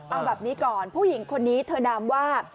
เอาแบบนี้ก่อนผู้หญิงคนนี้เธอนามว่า